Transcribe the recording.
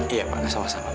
iya pak sama sama pak